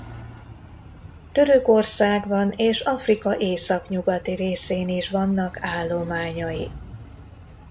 Törökországban és Afrika északnyugati részén is vannak állományai.